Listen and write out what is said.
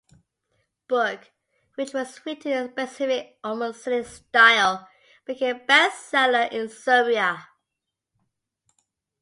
Book, which was written in specific, almost scenic style, became a bestseller in Serbia.